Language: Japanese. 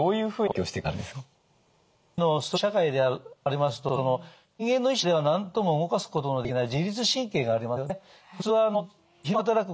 今日のストレス社会でありますと人間の意思では何とも動かすことのできない自律神経がありますよね。